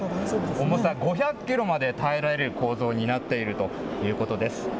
重さ５００キロまで耐えられる構造になっているということです。